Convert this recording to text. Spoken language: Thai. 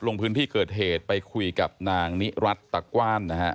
ลงพื้นที่เกิดเหตุไปคุยกับนางนิรัติตะกว้านนะฮะ